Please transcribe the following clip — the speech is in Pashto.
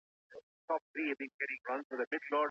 ولي هوډمن سړی د ذهین سړي په پرتله برخلیک بدلوي؟